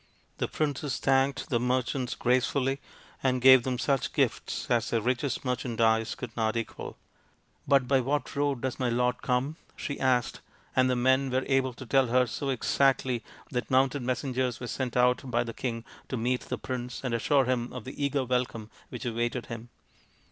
The princess thanked the merchants gracefully and gave them such gifts as their richest merchandise could not equal. " But by what road does my lord come ?" she asked, and the men were able to tell her so exactly that mounted messengers were sent out by the king to meet the prince and assure him of the eager welcome which awaited him.